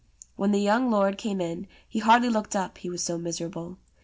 When the young lord came in he hardly looked up, he was so miserable.